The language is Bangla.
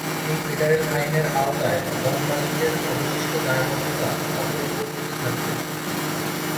এই ফেডারেল আইনের আওতায় বন মালিকের অবশিষ্ট দায়বদ্ধতা অপরিবর্তিত থাকবে।